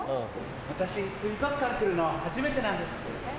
私水族館来るの初めてなんです。